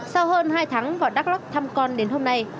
sau hơn hai tháng vào đắk lắc thăm con đến hôm nay